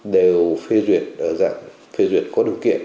đều phê duyệt ở dạng phê duyệt có điều kiện